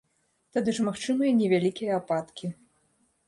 Тады ж магчымыя невялікія ападкі.